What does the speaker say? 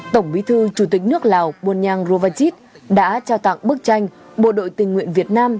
tổng bí thư chủ tịch nước lào buôn nhang rovacit đã trao tặng bức tranh bộ đội tình nguyện việt nam